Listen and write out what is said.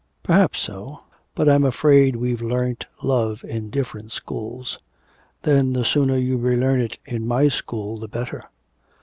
'Perhaps so.... But I'm afraid we've learnt love in different schools.' 'Then the sooner you relearn it in my school the better.'